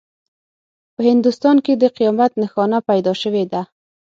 په هندوستان کې د قیامت نښانه پیدا شوې ده.